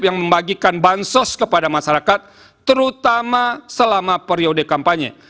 yang membagikan bansos kepada masyarakat terutama selama periode kampanye